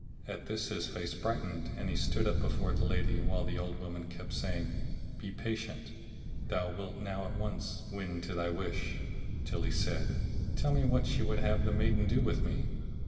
At this his face brightened and he stood up before the lady while the old woman kept saying, "Be patient; thou wilt now at once win to thy wish!"; till he said, "Tell me what she would have the maiden do with me?"